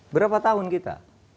berapa tahun kita